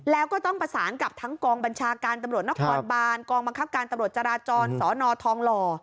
แล้วก็ต้องประสานกับทั้งกองบัญชาการตำรวจนครบานกองบังคับการตำรวจจราจรสนทองหล่อ